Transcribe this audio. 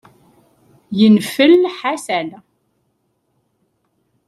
Yenfel Ḥasan.